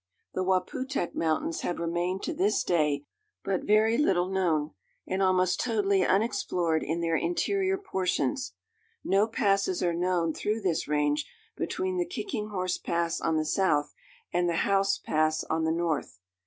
The Waputehk Mountains have remained to this day but very little known, and almost totally unexplored, in their interior portions. No passes are known through this range between the Kicking Horse Pass on the south and the Howse Pass on the north.